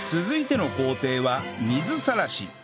続いての工程は水さらし